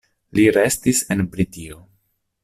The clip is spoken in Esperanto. Li restis en Britio.